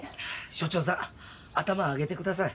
署長さん頭上げてください。